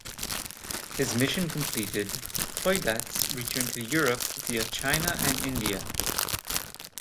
His mission completed, Poidatz returned to Europe via China and India.